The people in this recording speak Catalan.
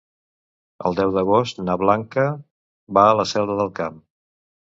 El deu d'agost na Blanca va a la Selva del Camp.